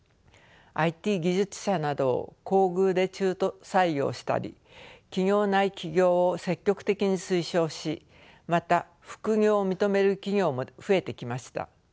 ＩＴ技術者などを厚遇で中途採用したり企業内起業を積極的に推奨しまた副業を認める企業も増えてきました。